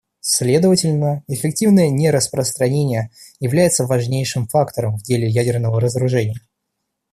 Следовательно, эффективное нераспространение является важнейшим фактором в деле ядерного разоружения.